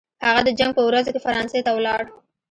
هغه د جنګ په ورځو کې فرانسې ته ولاړ.